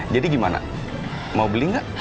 jadi gimana mau beli nggak